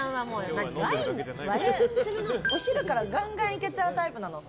お昼からガンガンいけちゃうタイプなの。